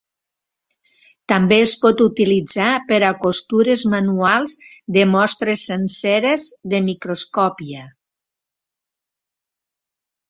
També es pot utilitzar per a costures manuals de mostres senceres de microscòpia.